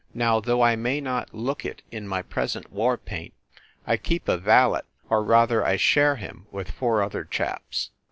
Now, though I may not look it in my present war paint, I keep a valet or rather I share him with four other chaps.